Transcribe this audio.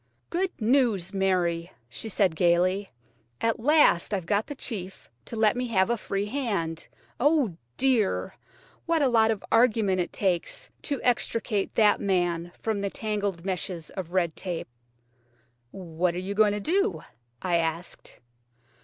"Good news, Mary," she said gaily. "At last I've got the chief to let me have a free hand. Oh, dear! what a lot of argument it takes to extricate that man from the tangled meshes of red tape!" "What are you going to do?" I asked.